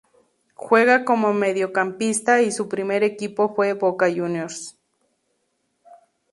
Juega como mediocampista y su primer equipo fue Boca Juniors.